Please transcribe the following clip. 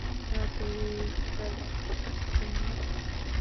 রাতে এই গালে মেরেছিলেন না!